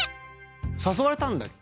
誘われたんだっけ？